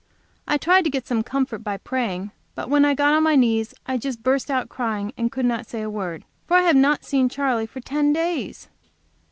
I tried to get some comfort by praying, but when I got on my knees I just burst out crying and could not say a word. For I have not seen Charley for ten days.